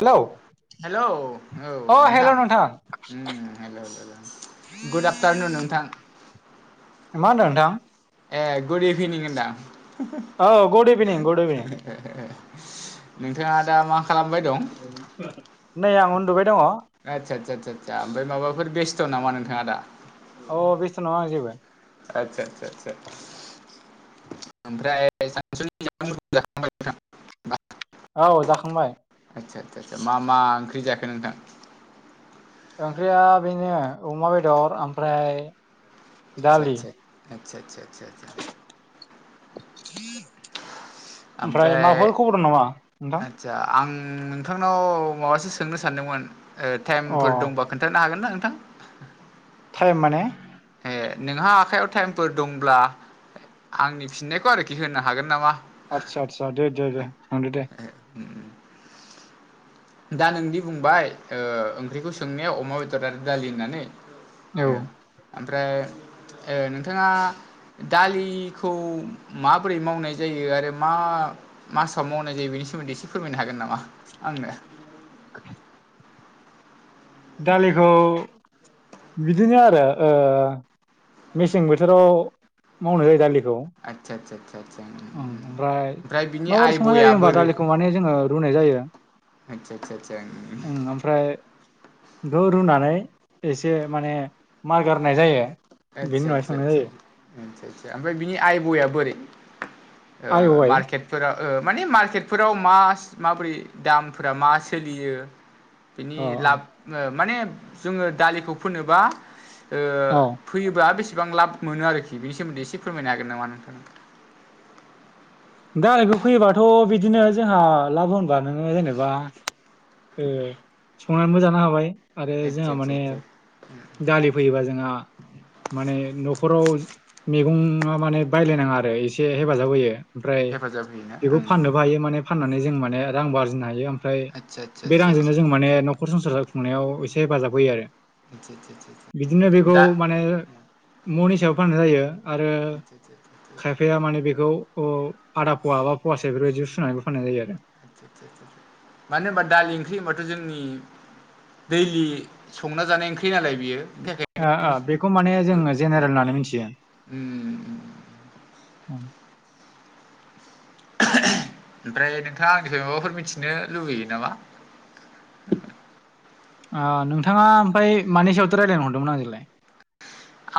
Hello hello औ अ hello नोंथां उम हेलौ गुड आफटारनुन नोंथां। मा होनदों नोंथां? ए गुड इभिनिं होनदां? औ गुड इभिनिं गुड इभिनिं। नोंथाङा दा मा खालामबाय दं नै आं उन्दुबाय दङ। आदसा सा सा सा‌ ओमफाय माबाफोर बेस्थ नामा नोंथाङा दा? अ बेस्थ नङा आं जेबो। आदसा सा‌ सा सा ओमफ्राय सानसुनि जाखांनाय? औ जाखांबाय। आदसा सा सा मा मा ओंख्रि जाखो नोंथां? ओंख्रिया बेनो अमा बेदर ओमफ्राय आदसा दालि आदसा‌ आदसा आदसा आदसा। ओमफ्राय माबाफोर खबर दं नामा नोंथां? आदसा आं नोंथांनाव माबासो सोंनो सानदोंमो ओ अ टाइमफोर दंबा। खोनथानो हागोन ना नोंथां? थाइम माने? ए नोंहा आखायाव टाइमफोर दंब्ला आंनि फिननायखौ आरोखि होनो हागोन नामा? आतसा आतसा दे दे दे थांदो दे। दा नोंदि बुंबाय ओ‌ ओंख्रिखौ सोंनायाव अमा बेदर आरो दालि होननानै। औ ओ ओमफ्राय ओ नोंथाङा दालिखौ माबोरै मावनाय जायो आरो मा मासाव मावनाय जायो बेनि सोमोन्दै एसे फोरमायनो हागोन नामा? आंनो। [inaudible] दालिखौ बिदिनो आरो ओ मेसें बोथोराव मावनाय जायो दालिखौ। आतसा आतसा आत्सा ओम ओमफ्राय माबोरै संनाय आइबया जायो होमबा बोरै दालिखौ माने जोङो रुनाय जायो। आतसा आतसा आत्सा‌‌ उम उम ओमफ्राय बेखौ रुनानै एसे माने मार गारनाय जायो। बेनि आदसा उनावहाय आदसा संनाय आदसा जायो आदसा सा ओमफ्राय बिनि आइबयआ बोरै? आइ औ ओ आइ मार्केट फोरा ओ‌ माने मार्केटफोराव मास‌ माबोरै दामफोरा मा सोलियो? बिनि अ लाब ओ माने जोङो दालिखौ फोनोबा ओ अ औ फैयोब्ला बेसेबां लाब मोनो आरोखि बिनि सोमोन्दै एसे फोरमायनो हागोन नामा नोंथां? दालिखौ फैयोबाथ बिदिनो जोंहा लाब होनबा नोङो जेनेबा ओ संनानैबो जानो हाबाय आरो आतसा जोंहा आतसा माने आतसा [inaudible] दालि फोयोबा जोंहा माने नखराव मैगंआ माने बायलायनाङा आरो एसे हेफाजाब होयो। ओमफ्राय हेफाजाब होयोना बेखौ ओं फाननोबो हायो माने फाननानै जों माने रां बजिनो हायो ओमफ्राय आतसा आतसा बे आतसा आतसा रांजोंनो जों माने नखर संसार जा खुंनायाव एसे हेफाजाब होयो आरो। आतसा आतसा आतसा बिदिनो बेखौ दा माने मन हिसाबै फाननाय जायो। आरो आतसा आतसा आतसा खायफाया माने बेखौ आदा पवा बा पवासे बेफोरबायदि सुनानै फाननाय जायो आरो। आ मानो होनबा दालि ओंख्रि होनबाथ' जोंनि दैलि संना जानाय ओंख्रि नालाय बियो बेनि थाखाय बेखौ माने जोङो जेनेरेल होननानै मिथियो। उम ओ ओमफ्राय नोंथाङा आंनिफ्राय माबाफोर मिथिनो लुबैयो नामा? नोंथाङा ओमफ्राय मानै सायावथ' रायज्लायनो हरदोंमोन आंजोंलाय?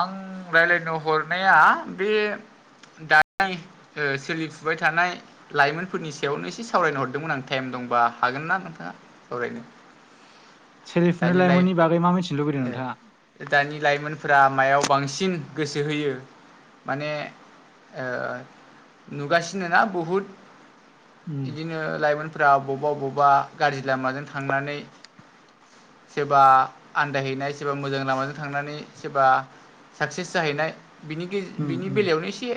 आं रायज्लायनो हरनाया बे दानि ओ सोलिफुबाय थानाय लाइमोनफोरनि सायावनो एसे सावरायनो हरदोंमोन आं टाइम दंबा हागोन ना नोंथाङा सावरायनो? [inaudible] सोलिफुनाय दानि लाइ लाइमोननि ओ बागै मा मिथि लुबैदों नोंथाङा? दानि लाइमोन फोरा मायाव बांसिन गोसो होयो माने ओ नुगासिनो ना बुहुद उम बिदिनो लाइमोन फोरा बबेबा बबेबा गाज्रि लामाजों थांनानै सोरबा आन्दायहैनाय सोरबा मोजां लामाजों थांनानै सोरबा साक्सेस जाहैनाय बिनि गे- उम बिनि उम बेलायावनो एसे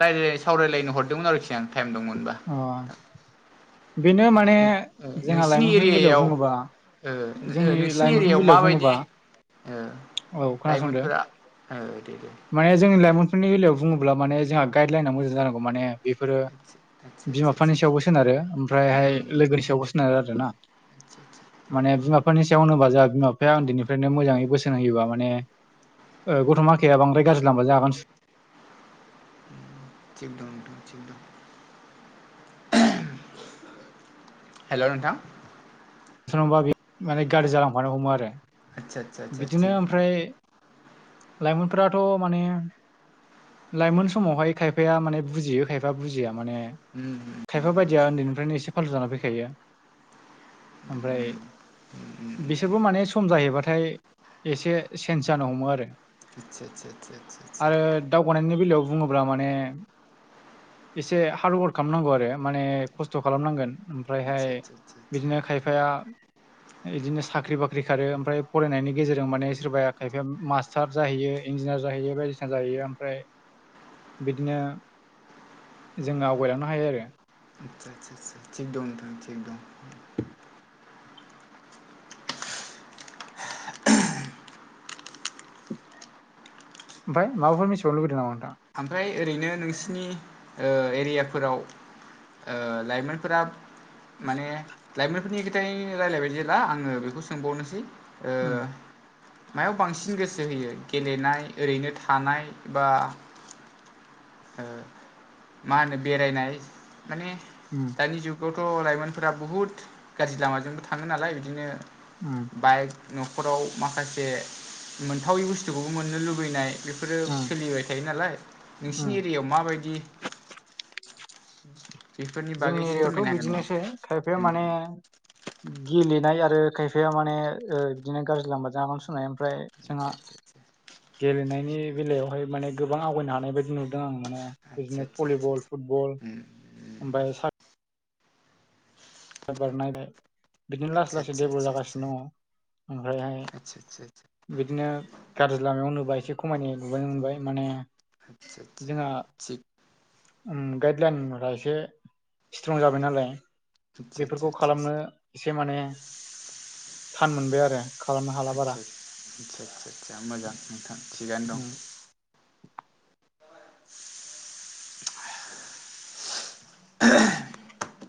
रायजायाय सावरायलायनो हरदोंमोन आरोखि आं टाइम दंमोनबा। अ बेनो माने ओ जोंहा नोंसिनि लाइमोनफोरनि बेलायाव एरियायाव बुङोबा ओ जो- जोंनि नोंसिनि लाइमोनफोरनि एरियायाव बेलायाव माबायदि बुङोबा ओ औ खोनासंदो लाइमोनफोरा ओ दे दे माने जोंनि लाइमोनफोरनि बेलायाव बुङोब्ला माने जोंहा गाइद लाइना मोजां जानांगौ माने बेफोरो आदसा आदसा बिमा आदसा बिफानि आदसा सायावबो सोनारो उम ओमफ्रायहाय लोगोनि सायावबो सोनारो आरो ना। आदसा आदसा माने बिमा बिानि सायाव होनोबा जोंहा बिमा बिफाया उन्दैनिफ्रायनो मोजाङै बोसोन होयोबा माने गथ'माखाया बांद्राय गाज्रि लामाजो आगान सु थिगद दं दे थिक दं। हेल' नोंथां [unintelligible] माने गाज्रि जालांफानो हमो आरो आदसा आदसा आदसा बिदिनो थिग दं ओमफ्राय लाइमोनफोराथ' माने लाइमोन समावहाय खायफाया माने बुजियो खायफा बुजिया माने उम उम खायफा बायदिया उन्दैनिफ्रायनो एसे फालथु जानानै फैखायो। ओमफ्राय उम बिसोरबो माने सम जाहैबाथाय एसे चेन्ज जानो हमो आरो आदसा सा सा सा सा फरायनायनि बेलायावबो बुङोब्ला माने एसे हार्डवार्क खालामनांगौ आरो माने खस्थ' खालामनांगोन। ओमफ्रायहाय आदसा आदसा आदसा बिदिनो खायफाया इदिनो साख्रि बाख्रि खारो ओमफ्राय फरायनायनि गेजेरजों माने सोरबाया खायफाया मास्टार जाहैयो इन्जिनियार जाहैयो बायदिसिना जाहैयो ओमफ्राय बिदिनो जोङो आवगायलांनो हायो आरो आदसा आदसा सा थिग दं नोंथां थिग दं। ओमफ्राय माफोर मिथिबावनो लुबैदों नामा नोथां। ओमफ्राय ओरैनो नोंसिनि ओ एरियाफोराव ओ लाइमोनफोरा माने लाइमोनफोरनि खोथाय रायजलायबाय जेब्ला आङो बेखौ सोंबावनोसै उम मायाव बांसिन गोसो होयो गेलेनाय ओरैनो थानाय बा ओ मा होनो बेरायनाय माने उम दानि जुगावथ' लाइमोनफोरा बुहुत गाज्रि लामाजोंबो थाङो नालाय बिदिनो उम बाइक न'खराव माखासे मोनथावै बुस्थुखौबो मोननो लुबैनाय बे फोरो उम सोलिबाय थायो नालाय उम नोंसिनि एरियायाव माबायदि बेफोरनि बागै जोंनि एसे फोरमायनो एरिायायावथ' हागोन नामा? बिदिनोसै खायफाया माने गेलेनाय आरो खायफाया माने ओ इदिनो गाज्रि लामाजों आगान सुरनाय ओ फ्राय जोंहा आतसा आतसा गेलेनायनि बेलायावहाय माने गोबां आवगायनो हानाय बायदि नुदों आं माने आतसा आतसा बिदिनो आतसा भलिबल फुटबल ओमफ्राय सा बार नायबाय बिदिनो लासै लासै डेभलप आतसा आतसा जागासिनो दङ ओमफ्रायहाय आतसा बिदिनो गाज्रि लामायाव होनोबा एसे खमायनाय नुबियनो मोनबाय माने आदसा आदसा थिग उम गाइडलाइनफोरा एसे स्ट्रं जाबाय नालाय आतसा आतसा बेफोरखौ आतसा खालामनो एसे माने थान मोनबाय आरो खालामनो हाला बारा आदसा आदसा आदसा आदसा मोजां नोंथां थिगनो दं। उम [inaudible]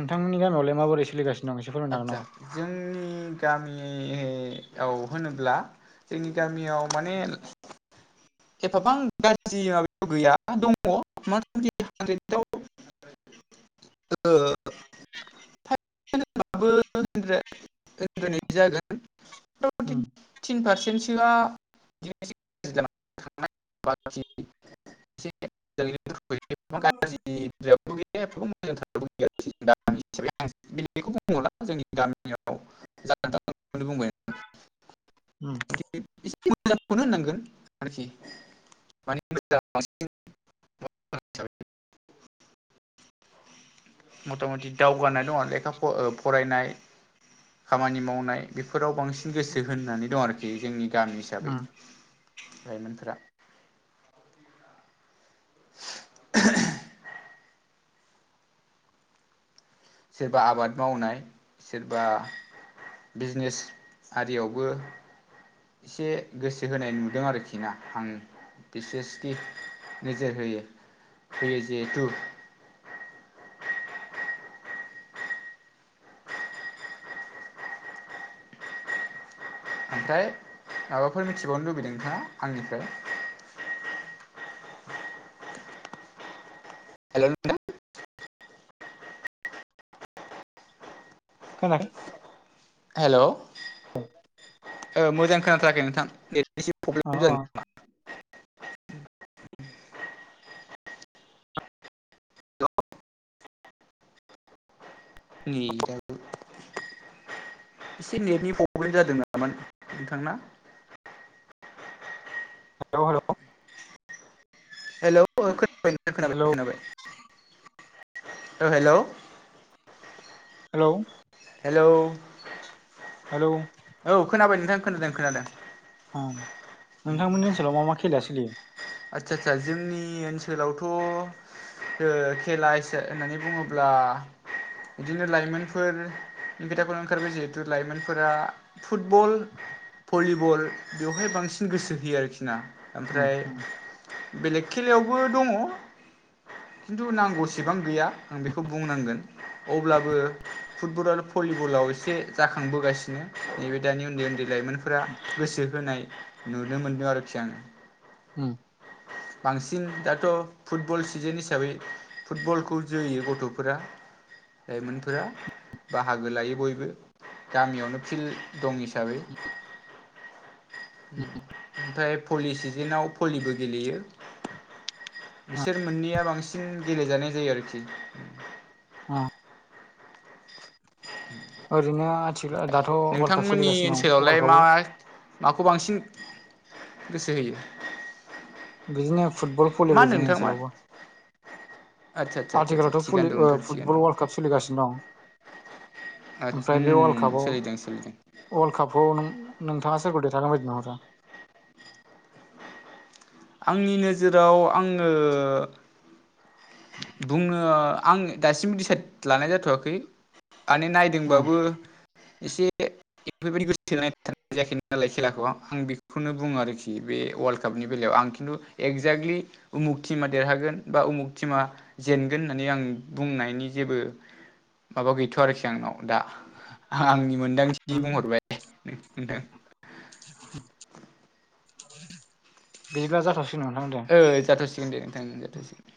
नोंथांमोननियाव मारै सलिगासिनो? आदसा जोंनि गामियाव होनोब्ला जोंनि गामियाव माने एफाबां गाज्रि माबायाव गैया दङ [unintelligible] [unintelligible] [inaudible] जागोन उम [inaudible] थिन पारसेन्टसोआ [inaudible] [inaudible] [unintelligible] [unintelligible] उम होननांगोन। आरखि माने [unintelligible] मथा मथि दावगानाय दङ' लेखा फ' फरायनाय खामानि मावनाय बेफोराव बांसिन गोसो होननानै दं आरोखि जोंनि गामि हिसाबै। उम लाइमोनफोरा [inaudible] सोरबा आबाद मावनाय सोरबा बिजिनेस आरियावबो एसे गोसो होनाय नुदों आरोखि ना आं बिसेसखि नोजोर होयो होयो जिहेथु ओमफ्राय माबाफोर मिथिबावनो लुबैदों नोथाङा आंनिफ्राय? हेल' नोंथां। खोना हेल' ओ मोजां खोनाथाराखै नोंथां नेट एसे प्रब्लेम अह अह। जादों नेटाबो एसे नेटनि प्रब्लेम जादों नामा नोंथांना? [unintelligible] हेल' औ खोनाबाय खोनाबाय हेल' खोनाबाय ओ हेल'। हेलौ। हेल'। हेलौ। औ खोनाबाय नोंथां खोनादों खोनादों। उम नोंथांमोननि ओनसोलाव मा मा खेलाया सोलियो? आदसा आदसा जोंनि ओनसोलावथ' ओ खेला हस होननानै बुङोब्ला बिदिनो लाइमोनफोर नि खोथाखौनो ओंखारबाय जिहेथु लाइमोनफोरा फुटबल, भलिबल बेवहाय बांसिन गोसो होयो आरोखि ना उम ओमफ्राय उम बेलेग खेलायावबो दङ' खिन्थु नांगौ सेबां गैया आं बेखौ बुंनांगोन अब्लाबो फुटबल आरो भलिबलाव एसे जाखांबोगासिनो नैबे दानि उन्दै उन्दै लाइमोन फोरा गोसो होनाय नुनो मोनदों आरोखि आङो। उम। बांसिन दाथ' फुटबल सिजोन हिसाबै फुटबलखौ जोयो गथ'फोरा। लाइमोनफोरा बाहागो लायो बयबो। गामियावनो फिल्ड दं हिसाबै। ओमफाय पलि सिजोनाव पलिबो गेलेयो। बिसोर मोननैया बांसिन गेलेजानाय जायो आरोखि उम। उम। [unintelligible] ओरैनो आथि दाथ' वर्ल्ड काप नोंथांमोननि सोलिगासिनं ओनसोलावलाय वार्ल्ड मा कापआव। माखौ बांसिन गोसो होयो। बिदिनो फुटबल मा फलिबो होनदों जोंनि नोंथां मा ओनसोलावबो। आदसा आदसा आदसा आदसा आथिखालावथ' भलि थिगानो दं ओ नोंथां फुटबल थिगानो दं। वर्ल्ड काप सोलिगासिनो दं। आत्स ओमफ्राय उम बे सोलिदों सोलिदों। वर्ल्ड कापाव नों नोंथाङा सोरखौ देरहागोन बायदि नुहरो? आंनि नोजोराव आङो बुंनो आं दासिमबो डिसाइद लानाय जाथ'वाखै माने नाय उम दोंबाबो एसे बेफोरबायदि [unintelligible] जायाखैमोन नालाय खेलाखौ आं बेखौनो बुङो आरोखि बे वर्ल्ड कापनि बेलायाव आं खिन्थु एगजेक्टलि उमुक टिमा देरहागोन बा उमुक टिमा जेनगोन होननानै आं बुंनायनि जेबो माबा गैथ'आ आरोखि आंनाव दा आंनि मोनदां [inaudible] बिदिब्ला जाथ'सिगोन नोंथां दे। ओ जाथ'सिगोन दे नोंथां ओं जाथ'सिगोन।